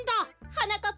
はなかっ